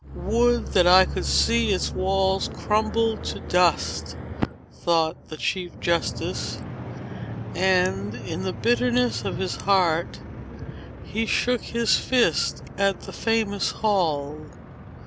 "Would that I could see its walls crumble to dust!" thought the chief justice; and, in the bitterness of his heart, he shook his fist at the famous hall.